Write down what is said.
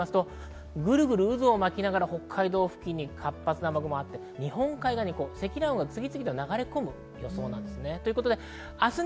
渦を巻きながら北海道付近に活発な雨雲があって日本海側に積乱雲が次々と流れ込む予想です。